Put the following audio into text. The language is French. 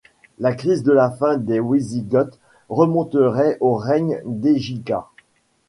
La crise de la fin des Wisigoths remonterait au règne d'Égica.